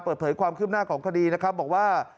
เปิดเผยความคืบหน้าของคดีนะครับบอกว่า